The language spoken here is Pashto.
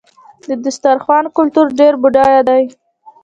د دسترخوان کلتور ډېر بډایه دی.